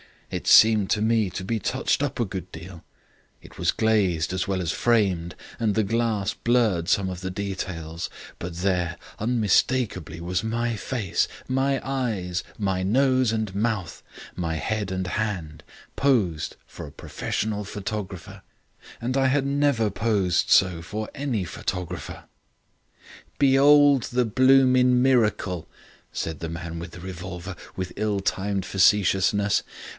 It seemed to me to be touched up a good deal; it was glazed as well as framed, and the glass blurred some of the details. But there unmistakably was my face, my eyes, my nose and mouth, my head and hand, posed for a professional photographer. And I had never posed so for any photographer. "'Be'old the bloomin' miracle,' said the man with the revolver, with ill timed facetiousness.